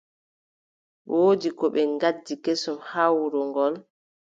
Woodi ko ɓe ngaddi kesum haa nder wuro ngol.